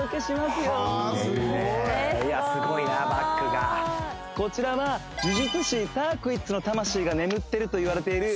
すごいいやすごいなバックがこちらは呪術師タークイッツの魂が眠ってるといわれている